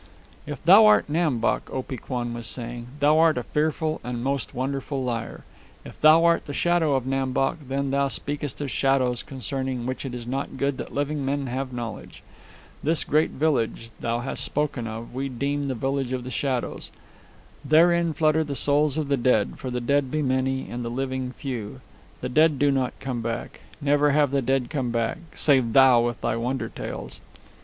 "If thou art Nam Bok," Opee Kwan was saying, "thou art a fearful and most wonderful liar; if thou art the shadow of Nam Bok, then thou speakest of shadows, concerning which it is not good that living men have knowledge. This great village thou hast spoken of we deem the village of shadows. Therein flutter the souls of the dead; for the dead be many and the living few. The dead do not come back. Never have the dead come back save thou with thy wonder tales.